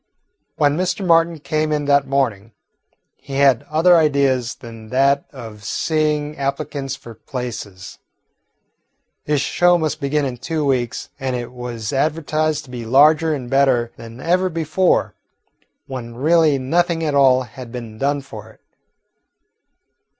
When Mr. Martin came in that morning, he had other ideas than that of seeing applicants for places. His show must begin in two weeks, and it was advertised to be larger and better than ever before, when really nothing at all had been done for it.